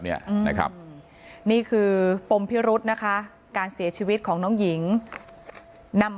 เนี่ยนะครับนี่คือปมพิรุษนะคะการเสียชีวิตของน้องหญิงนำ